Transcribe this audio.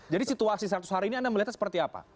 jadi situasi seharusnya hari ini anda melihatnya seperti apa